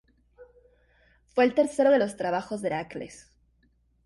Fue el tercero de los trabajos de Heracles.